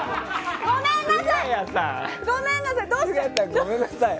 ごめんなさい！